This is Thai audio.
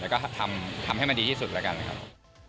แล้วก็ทำให้มันดีที่สุดแล้วกันนะครับ